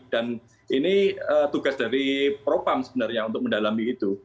dan ini tugas dari propam sebenarnya untuk mendalami itu